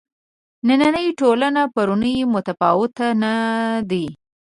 نننۍ ټولنه پرونۍ متفاوته نه دي.